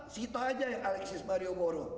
situ aja yang alexis mario boro